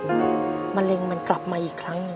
ก็จากที่เคยโรงงานก็รู้สึกว่ามะเร็งมันกลับมาอีกครั้งหนึ่ง